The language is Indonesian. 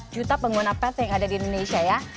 empat juta pengguna path yang ada di indonesia ya